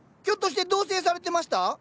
ひょっとして同棲されてました？